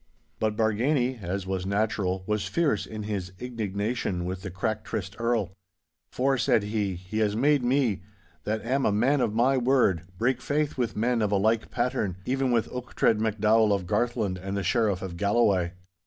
But Bargany, as was natural, was fierce in his indignation with the crack tryst Earl. 'For,' said he, 'he has made me, that am a man of my word, break faith with men of a like pattern, even with Uchtred MacDowall of Garthland and the Sheriff of Galloway.